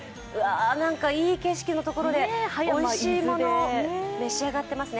いい景色のところでおいしいもの召し上がってますね。